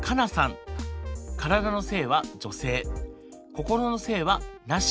心の性はなし。